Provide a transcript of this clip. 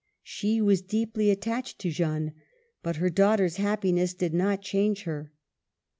She was deeply attached to Jeanne, but her daughter's happiness did not change her.